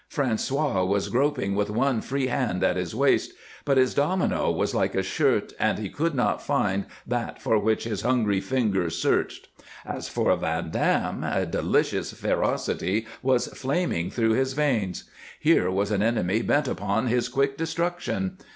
François was groping with one free hand at his waist; but his domino was like a shirt, and he could not find that for which his hungry fingers searched. As for Van Dam, a delicious ferocity was flaming through his veins. Here was an enemy bent upon his quick destruction.